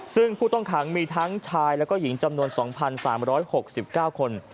ซึ่งผู้ต้องขังมีทั้งชายแล้วก็หญิงจำนวน๒๓๖๙คน